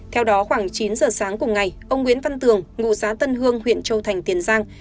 theo đó khoảng chín giờ sáng cùng ngày ông nguyễn văn tường ngụ xã tân hương huyện châu thành tiền giang